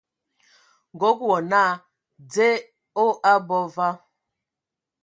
Nkɔg wɔ naa "Dze o abɔ va ?".